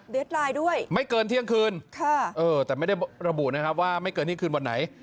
ไลน์ด้วยไม่เกินเที่ยงคืนค่ะเออแต่ไม่ได้ระบุนะครับว่าไม่เกินเที่ยงคืนวันไหน